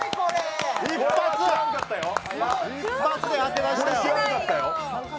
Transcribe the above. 一発で当てましたよ。